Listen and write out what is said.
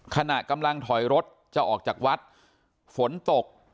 ขณะกำลังถอยรถจะออกจากวัดฝนตก